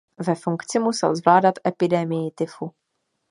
Ve funkci musel zvládat epidemii tyfu.